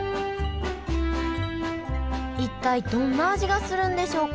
一体どんな味がするんでしょうか？